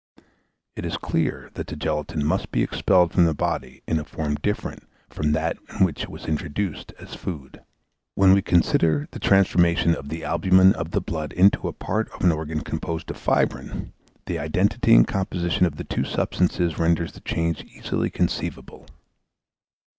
It is clear that the gelatine must be expelled from the body in a form different from that in which it was introduced as food. When we consider the transformation of the albumen of the blood into a part of an organ composed of fibrine, the identity in composition of the two substances renders the change easily conceivable.